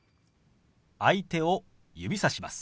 相手を指さします。